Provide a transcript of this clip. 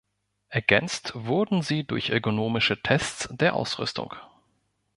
Ergänzt wurden sie durch ergonomische Tests der Ausrüstung.